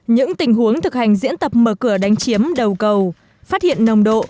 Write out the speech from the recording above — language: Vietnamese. những tình huống thực hành diễn tập mở cửa đánh chiếm đầu cầu phát hiện nồng độ